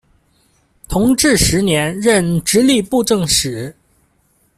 同治十年任直隶布政使。